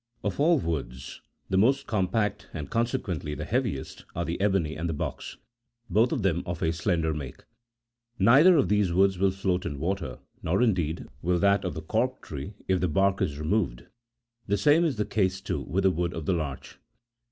Of all woods, the most compact, and consequently the hea viest, are the ebony and the box, both of them of a slender make. Neither of these woods will float in water, nor, indeed, will that of the cork tree, if the bark is removed ; the same is the case, too, with the wood of the larch.